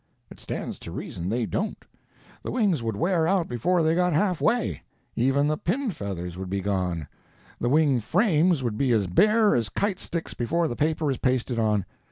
It stands to reason they don't. The wings would wear out before they got half way; even the pin feathers would be gone; the wing frames would be as bare as kite sticks before the paper is pasted on.